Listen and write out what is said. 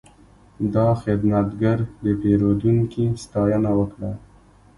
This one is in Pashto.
دا خدمتګر د پیرودونکي ستاینه وکړه.